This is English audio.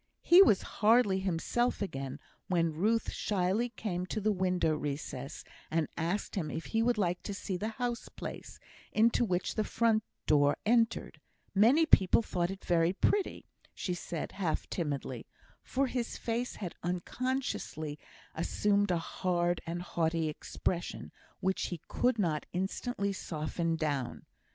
He was hardly himself again when Ruth shyly came to the window recess and asked him if he would like to see the house place, into which the front door entered; many people thought it very pretty, she said, half timidly, for his face had unconsciously assumed a hard and haughty expression, which he could not instantly soften down.